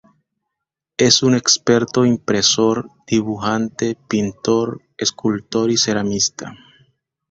Es un experto impresor, dibujante, pintor, escultor y ceramista.